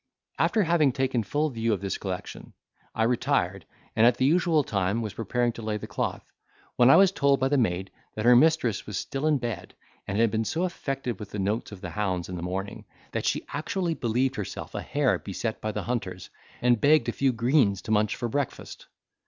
After having taken a full view of this collection, I retired, and at the usual time was preparing to lay the cloth, when I was told by the maid that her mistress was still in bed, and had been so affected with the notes of the hounds in the morning, that she actually believed herself a hare beset by the hunters, and begged a few greens to munch for breakfast.